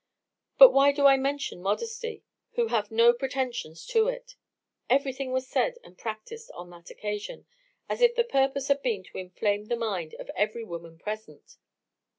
But why do I mention modesty, who have no pretensions to it? Everything was said and practised on that occasion, as if the purpose had been to inflame the mind of every woman present.